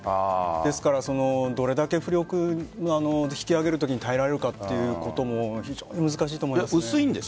ですから、どれだけ浮力引き揚げるときに耐えられるかということも非常にあると思います。